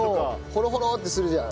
ホロホロッてするじゃん。